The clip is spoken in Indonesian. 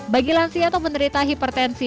bagi lansi atau menteri tahipertensi